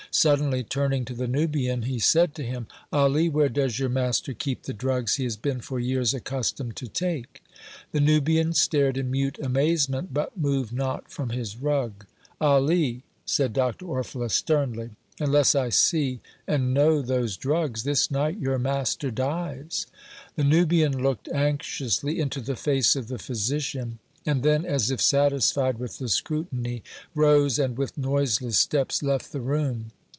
Suddenly turning to the Nubian, he said to him: "Ali, where does your master keep the drugs he has been for years accustomed to take?" The Nubian stared in mute amazement, but moved not from his rug. "Ali," said Dr. Orfila, sternly, "unless I see and know those drugs, this night your master dies." The Nubian looked anxiously into the face of the physician, and then, as if satisfied with the scrutiny, rose, and, with noiseless steps, left the room.